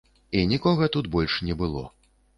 І нікога тут больш не было.